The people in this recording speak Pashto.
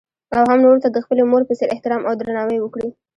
او هـم نـورو تـه د خـپلې مـور پـه څـېـر احتـرام او درنـاوى وکـړي.